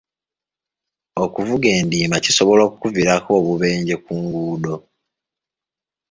Okuvuga endiima kisobola okuviirako obubenje ku nguudo.